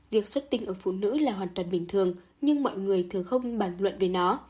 việc xuất tinh ở phụ nữ là hoàn toàn bình thường nhưng mọi người thường không bàn luận về nó